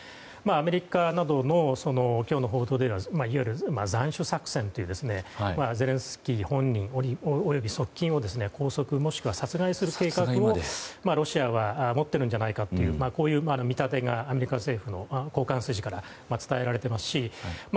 アメリカなどの今日の報道ではいわゆる斬首作戦というゼレンスキー本人及び側近を拘束もしくは殺害する計画をロシアは持っているんじゃないかという見立てが、アメリカ政府の高官筋から伝えられていますし